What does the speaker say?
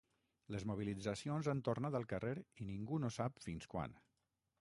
Les mobilitzacions han tornat al carrer i ningú no sap fins quan.